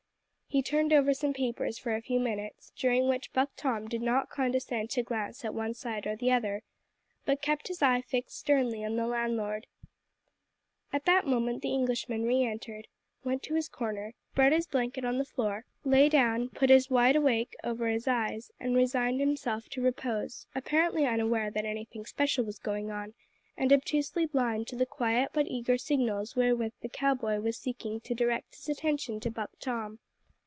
He turned over some papers for a few minutes, during which Buck Tom did not condescend to glance to one side or the other, but kept his eye fixed sternly on the landlord. At that moment the Englishman re entered, went to his corner, spread his blanket on the floor, lay down, put his wide awake over his eyes, and resigned himself to repose, apparently unaware that anything special was going on, and obtusely blind to the quiet but eager signals wherewith the cow boy was seeking to direct his attention to Buck Tom.